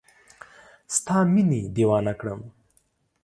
ستا مینې دیوانه کړم